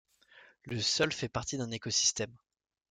Le sol fait partie d’un écosystème.